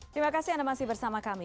terima kasih anda masih bersama kami